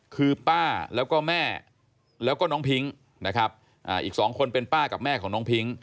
คือป้าแล้วก็แม่แล้วก็น้องพิ้งนะครับอีกสองคนเป็นป้ากับแม่ของน้องพิ้ง